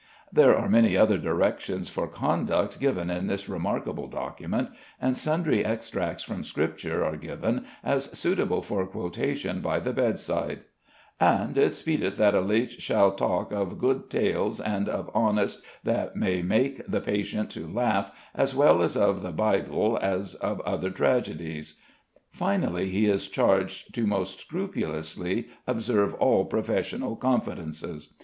There are many other directions for conduct given in this remarkable document, and sundry extracts from Scripture are given as suitable for quotation by the bedside: "And it speedeth that a leech can talk of good tales and of honest that may make the patient to laugh, as well of the biblee as of other tragediez." Finally, he is charged to most scrupulously observe all professional confidences.